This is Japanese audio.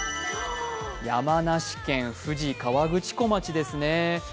山梨県富士河口湖町ですね。